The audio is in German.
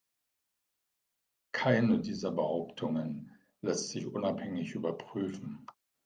Keine dieser Behauptungen lässt sich unabhängig überprüfen.